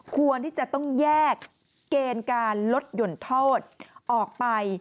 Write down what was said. ควรที่จะต้องแยกเกณฑ์การลดหย่นโทษออกไป